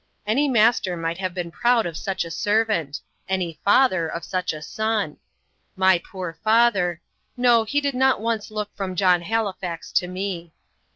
Any master might have been proud of such a servant any father of such a son. My poor father no, he did not once look from John Halifax to me.